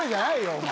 お前。